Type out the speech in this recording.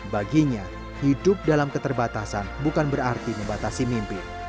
baginya hidup dalam keterbatasan bukan berarti membatasi mimpi